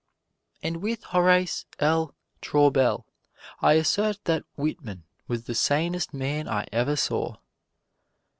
And with Horace L. Traubel I assert that Whitman was the sanest man I ever saw.